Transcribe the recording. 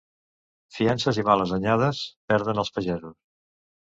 Fiances i males anyades perden els pagesos.